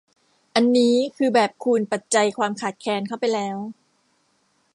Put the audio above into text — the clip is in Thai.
อันนี้คือแบบคูณปัจจัยความขาดแคลนเข้าไปแล้ว